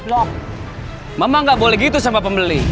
mama gak boleh gitu sama pembeli